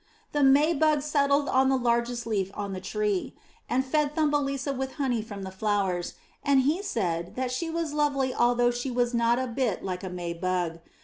The May bug settled on the largest leaf on the tree, and fed Thumbelisa with honey from the flowers, and he said that she was lovely although she was not a bit like a May bug.